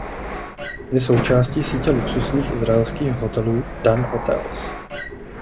Je součástí sítě luxusních izraelských hotelů Dan Hotels.